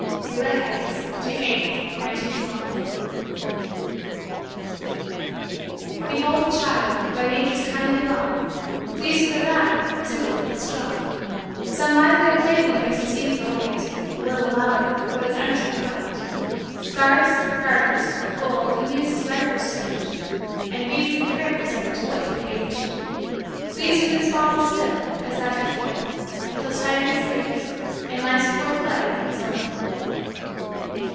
"Relay Heights" June 8, 1912 _Behold the child, by Nature's kindly law, Pleased with a rattle, tickled with a straw; Some livelier plaything gives his youth delight, A little louder, but as empty quite; Scarfs, garters, gold, amuse his riper stage, And beads and prayer books are the toys of age; Pleased with this bauble still, as that before; Till tired he sleeps, and life's poor play is o'er.